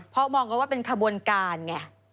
เพราะมองว่าเป็นกระบวนการไง